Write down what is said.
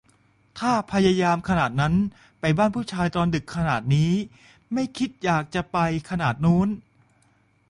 ถ้าพยายามขนาดนั้น ไปบ้านผู้ชายตอนดึกขนาดนี้ ไม่อยากจะคิดไปขนาดโน้น